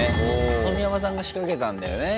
冨山さんが仕掛けたんだよね。